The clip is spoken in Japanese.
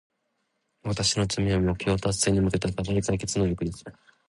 私の強みは、目標達成に向けた課題解決能力です。